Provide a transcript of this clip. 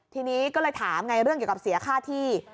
ทีนี้ก็เลยถามไงเรื่องเกี่ยวกับเสียค่าที่